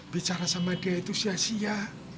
bicara sama dia itu sia sia